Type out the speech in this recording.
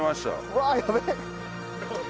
うわーやべえ！